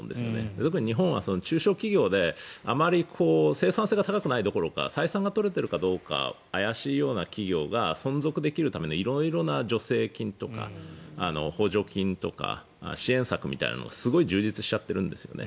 特に日本は中小企業であまり生産性が高くないどころか採算が取れているか怪しいような企業が存続できるための色々な助成金とか補助金とか支援策みたいなのがすごい充実しちゃっているんですよね。